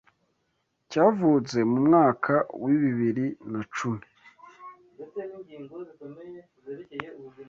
cYavutse mu mwaka w’bibiri na cumi